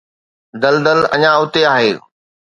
دلدل اڃا اتي آهي